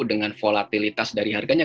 dengan volatilitas dari harganya